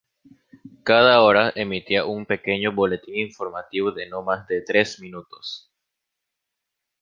Cada hora emitía un pequeño boletín informativo de no más de tres minutos.